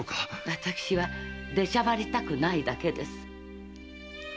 私は出しゃばりたくないだけです。